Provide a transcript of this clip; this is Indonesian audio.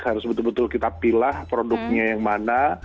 harus betul betul kita pilih produknya yang mana